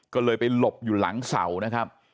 ก็เลยไปหลบอยู่หลังเสานะครับ